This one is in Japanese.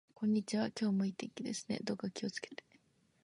こんにちは。今日も良い天気ですね。どうかお気をつけて。